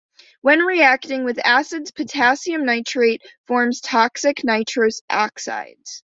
When reacting with acids, potassium nitrite forms toxic nitrous oxides.